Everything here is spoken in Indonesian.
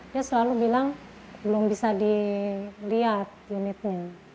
dia selalu bilang belum bisa dilihat unitnya